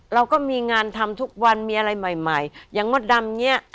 เราก็มีงานทำทุกวันมีอะไรใหม่ใหม่อย่างมดดำเนี่ย